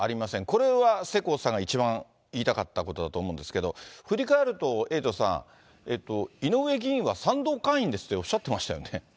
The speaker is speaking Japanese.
これは世耕さんが一番言いたかったことだと思うんですが、振り返るとエイトさん、井上議員は賛同会員ですっておっしゃってましたよね。